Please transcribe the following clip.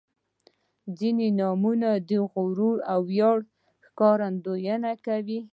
• ځینې نومونه د غرور او ویاړ ښکارندويي کوي.